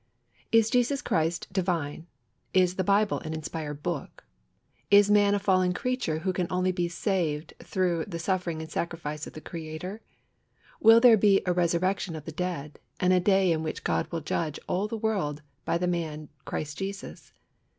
Is Jesus Christ divine? Is the Bible an inspired Book? Is man a fallen creature who can be saved only through the suffering and sacrifice of the Creator? Will there be a resurrection of the dead, and a day in which God will judge all the world by the Man Christ Jesus?